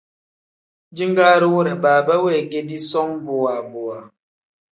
Jingaari wire baaba weegedi som bowa bowa.